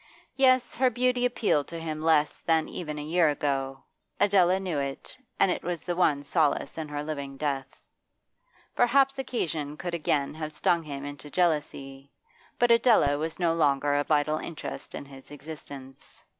Yes, her beauty appealed to him less than even a year ago; Adela knew it, and it was the one solace in her living death. Perhaps occasion could again have stung him into jealousy, but Adela was no longer a vital interest in his existence.